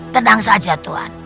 tenang saja tuhan